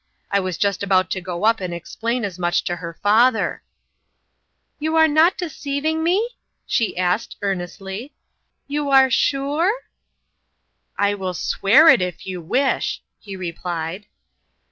I was just about to go up and explain as much to her father !"" You are not deceiving me ?" she asked, earnestly. " You are sure f "" I will swear it, if you wish !" he replied.